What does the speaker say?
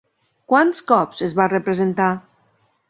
Quants cops es va representar?